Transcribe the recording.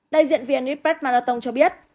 đại diện vnxpets marathon cho biết